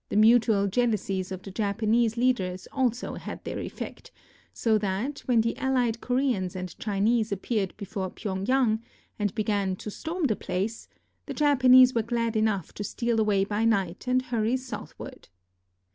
The mutual jealousies of the Japanese leaders also had their effect, so that when the allied Koreans and Chinese appeared before Pyeng yang and began to storm the place, the Japanese were glad enough to steal away by night and hurry southward.